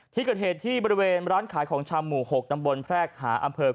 ที่เกิดเหตุที่บริเวณร้านขายของชำ